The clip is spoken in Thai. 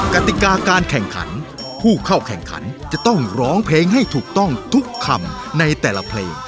กติกาการแข่งขันผู้เข้าแข่งขันจะต้องร้องเพลงให้ถูกต้องทุกคำในแต่ละเพลง